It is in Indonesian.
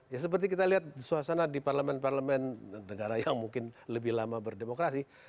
ya seperti kita lihat suasana di parlemen parlemen negara yang mungkin lebih lama berdemokrasi